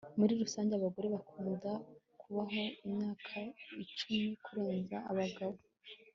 Muri rusange abagore bakunda kubaho imyaka icumi kurenza abagabo